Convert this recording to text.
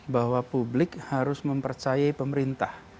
bahwa publik harus mempercayai pemerintah